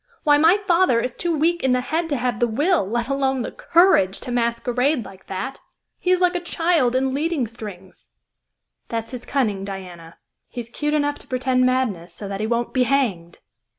"Why, my father is too weak in the head to have the will, let alone the courage, to masquerade like that. He is like a child in leading strings." "That's his cunning, Diana. He's 'cute enough to pretend madness, so that he won't be hanged!"